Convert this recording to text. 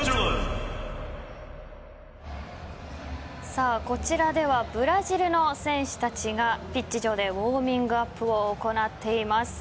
さあこちらではブラジルの選手たちがピッチ上でウオーミングアップを行っています。